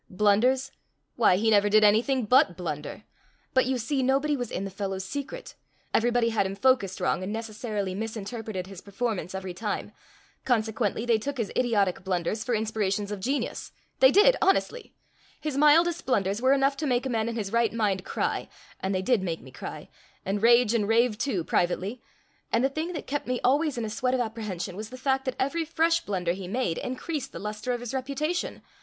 Blunders? Why, he never did anything but blunder. But, you see, nobody was in the fellow's secret&#8212everybody had him focused wrong, and necessarily misinterpreted his performance every time&#8212consequently they took his idiotic blunders for inspirations of genius; they did, honestly! His mildest blunders were enough to make a man in his right mind cry; and they did make me cry&#8212and rage and rave too, privately. And the thing that kept me always in a sweat of apprehension was the fact that every fresh blunder he made increased the luster of his reputation!